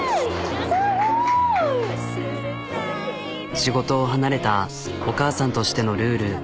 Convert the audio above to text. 仕事を離れたお母さんとしてのルール。